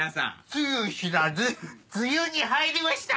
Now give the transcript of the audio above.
つゆ知らず梅雨に入りました！